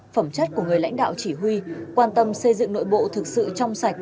phẩm chất của người lãnh đạo chỉ huy quan tâm xây dựng nội bộ thực sự trong sạch